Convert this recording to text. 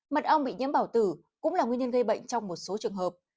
mật ong bị nhiễm bào từ cũng là nguyên nhân gây bệnh trong một số trường hợp